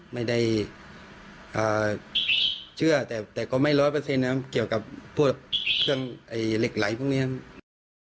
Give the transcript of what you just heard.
ไม่ได้เชื่อแต่ก็ไม่ร้อยเปอร์เซ็นต์เกี่ยวกับพวกเครื่องเหล็กไหลพวกนี้ครับ